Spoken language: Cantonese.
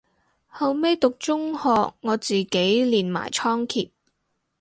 後尾讀中學我自己練埋倉頡